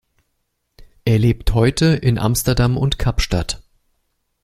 Er lebt heute in Amsterdam und Kapstadt.